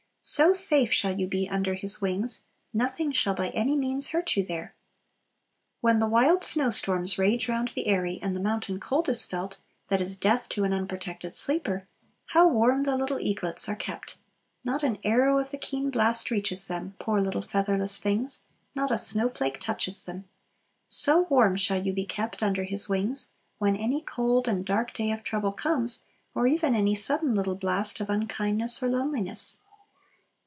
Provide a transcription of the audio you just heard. So safe shall you be "under His wings," "nothing shall by any means hurt you" there. When the wild snow storms rage round the eyrie, and the mountain cold is felt, that is death to an unprotected sleeper, how warm the little eaglets are kept! Not an arrow of the keen blast reaches them, poor little featherless things, not a snowflake touches them. So warm shall you be kept "under His wings," when any cold and dark day of trouble comes, or even any sudden little blast of unkindness or loneliness.